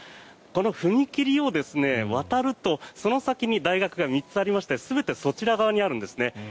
この踏切を渡るとその先に大学が３つありまして全てそちら側にあるんですね。